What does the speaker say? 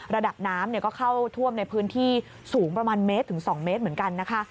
ระดับน้ำก็เข้าท่วมในพื้นที่สูงประมาณเมตรถึง๒เมตรเหมือนกันนะคะ